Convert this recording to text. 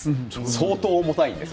相当重たいです